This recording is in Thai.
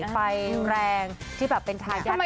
ไปแรงที่แบบเป็นทายแยกคนบันเตอร์